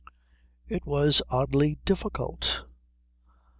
It was oddly difficult.